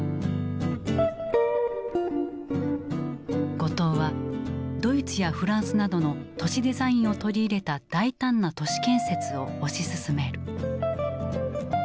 後藤はドイツやフランスなどの都市デザインを取り入れた大胆な都市建設を推し進める。